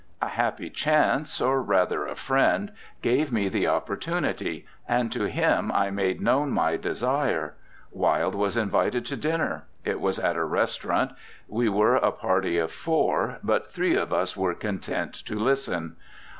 A happy chance, or rather a friend, gave me the opportunity, and to him I made known my desire. Wilde was invited to dinner. It was at a restaurant. We were a party of four, but three of us were content to listen.